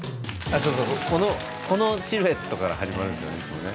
そうそうこのシルエットから始まるんですよねいつもね。